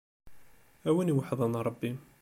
A win iweḥden Ṛebbi.